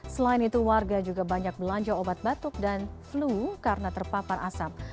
selain itu warga juga banyak belanja obat batuk dan flu karena terpapar asam